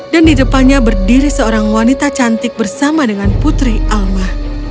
dan di depannya berdiri seorang wanita cantik bersama dengan putri alma